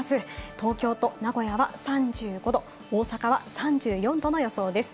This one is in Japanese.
東京都と名古屋は３５度、大阪は３４度の予想です。